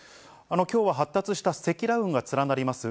きょうは発達した積乱雲が連なります